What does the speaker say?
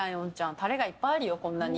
タレがいっぱいあるよ、こんなに。